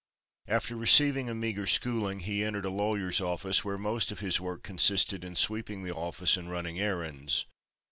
After receiving a meager schooling, he entered a lawyer's office, where most of his work consisted in sweeping the office and running errands.